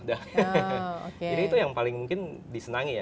jadi itu yang paling mungkin disenangi ya